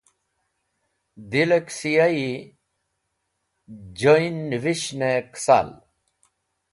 D̃isleksiyayi yi joyn nẽvishnẽ kẽsal.